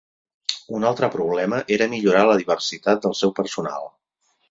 Un altre problema era millorar la diversitat del seu personal.